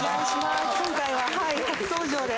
今回は初登場で。